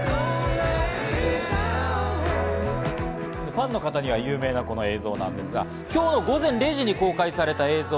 ファンの方には有名なこの映像なんですが、今日の午前０時に公開された映像。